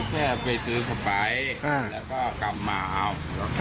แค่ไปซื้อสไปร์อ่าแล้วก็กลับมาเอาอ่า